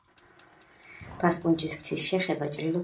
ფასკუნჯის ფრთის შეხება ჭრილობას კურნავს.